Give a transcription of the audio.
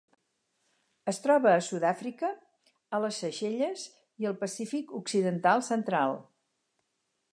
Es troba a Sud-àfrica, a les Seychelles i al Pacífic occidental central.